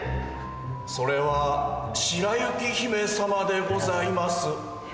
それは白雪姫様でございます。